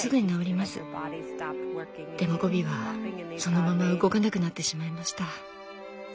でもゴビはそのまま動かなくなってしまいました。